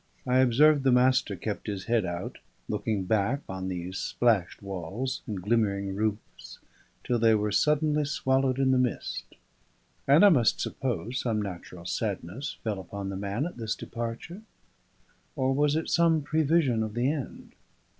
I observed the Master kept his head out, looking back on these splashed walls and glimmering roofs, till they were suddenly swallowed in the mist; and I must suppose some natural sadness fell upon the man at this departure; or was it some prevision of the end?